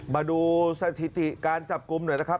มาดูสถิติการจับกลุ่มหน่อยนะครับ